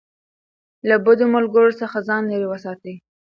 له بدو ملګرو څخه ځان لېرې وساتئ.